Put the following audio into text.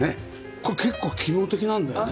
これ結構機能的なんだよね。